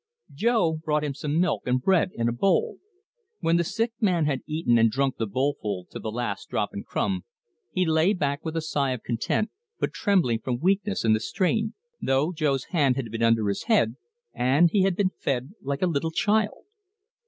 Jo brought him some milk and bread in a bowl. When the sick man had eaten and drunk the bowlful to the last drop and crumb, he lay back with a sigh of content, but trembling from weakness and the strain, though Jo's hand had been under his head, and he had been fed like a little child.